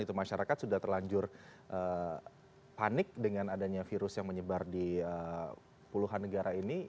masyarakat sudah terlanjur panik dengan adanya virus yang menyebar di puluhan negara ini